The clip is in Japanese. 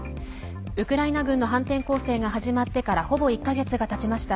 ウクライナ軍の反転攻勢が始まってからほぼ１か月がたちました。